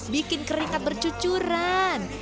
bikin keringat bercucuran